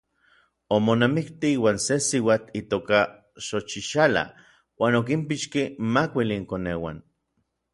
Omonamikti iuan se siuatl itoka Xochixala uan okinpixkej makuili inkoneuan.